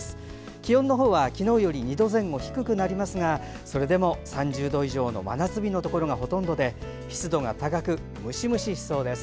気温は昨日より２度前後、低くなりますがそれでも３０度以上の真夏日のところがほとんどで湿度が高くムシムシしそうです。